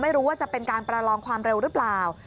ไม่รู้ว่าจะเป็นการประลองความเร็วหรือเปล่า